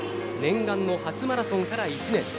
念願の初マラソンから１年。